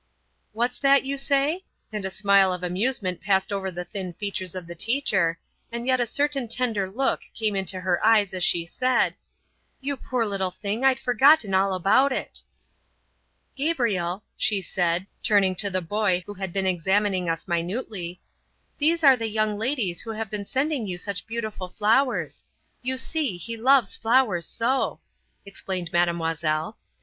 "What's that you say?" and a smile of amusement passed over the thin features of the teacher, and yet a certain tender look came into her eyes as she said, "You poor little thing! I'd forgotten all about it!" "Gabriel," she said, turning to the boy who had been examining us minutely, "these are the young ladies who have been sending you such beautiful flowers. You see, he loves flowers so!" explained Mademoiselle.